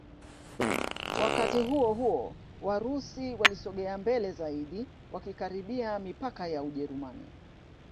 Wakati huohuo Warusi walisogea mbele zaidi wakikaribia mipaka ya Ujerumani